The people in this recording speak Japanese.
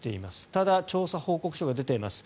ただ、調査報告書が出ています。